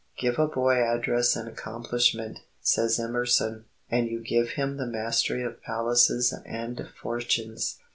"Give a boy address and accomplishment," says Emerson, "and you give him the mastery of palaces and fortunes.